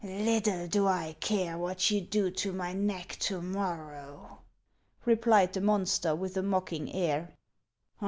" Little do I care what you do to my neck to morrow," replied the monster, with a mocking air.